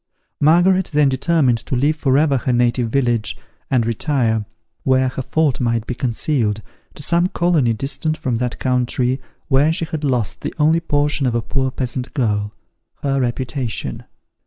Margaret then determined to leave forever her native village, and retire, where her fault might be concealed, to some colony distant from that country where she had lost the only portion of a poor peasant girl her reputation.